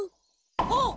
あっ。